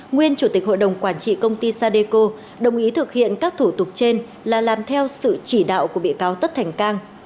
nguyên chủ tịch hội đồng quản trị công ty sadeco đồng ý thực hiện các thủ tục trên là làm theo sự chỉ đạo của bị cáo tất thành cang